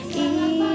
terima kasih emak